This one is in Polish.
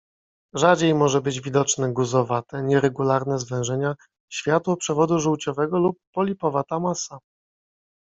Rzadziej może być widoczne guzowate, nieregularne zwężenia światła przewodu żółciowego lub polipowata masa.